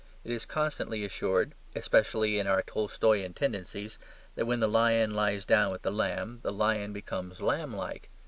It is constantly assured, especially in our Tolstoyan tendencies, that when the lion lies down with the lamb the lion becomes lamb like.